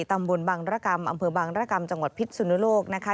ตำบลบังรกรรมอำเภอบางรกรรมจังหวัดพิษสุนโลกนะคะ